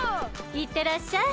いってらっしゃい。